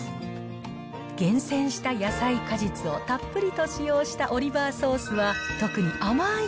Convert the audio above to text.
厳選した野菜、果実をたっぷりと使用したオリバーソースは、特に甘ーい